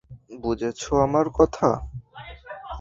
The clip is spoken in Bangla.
বুঝেছো আমার কথা?